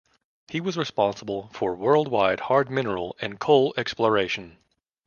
He was responsible for worldwide hard mineral and coal exploration.